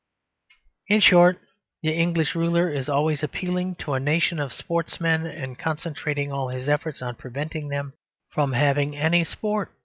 In short, the English ruler is always appealing to a nation of sportsmen and concentrating all his efforts on preventing them from having any sport.